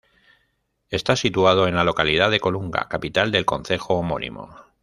Está situado en la localidad de Colunga, capital del concejo homónimo.